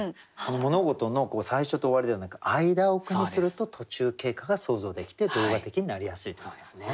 物事の最初と終わりではなく間を句にすると途中経過が想像できて動画的になりやすいということですね。